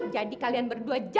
jadi kalian berdua jangan coba